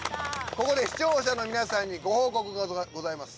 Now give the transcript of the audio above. ここで視聴者の皆さんにご報告がございます